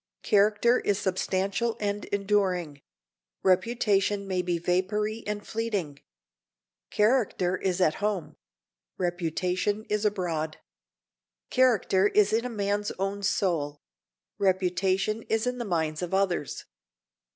Character is substantial and enduring; reputation may be vapory and fleeting. Character is at home; reputation is abroad. Character is in a man's own soul; reputation is in the minds of others.